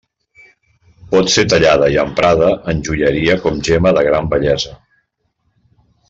Pot ser tallada i emprada en joieria com gemma de gran bellesa.